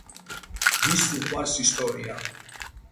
ვის უყვარს ისტორია.